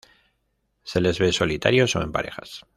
Se les ve solitarios, o en parejas.